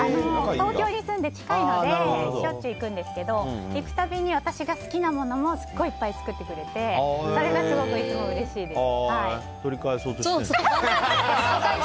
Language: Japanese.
東京に住んで近いのでしょっちゅう行くんですけども行くたびに私が好きなものもすごいいっぱい作ってくれてそれがすごくいつもうれしいです。